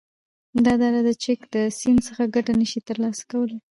دا دره د چک د سیند څخه گټه نشی تر لاسه کولای،